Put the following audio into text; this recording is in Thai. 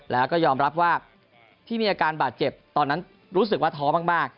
แล้วก็ยอมรับว่าที่มีอาการบาดเจ็บตอนนั้นรู้สึกว่าท้อมาก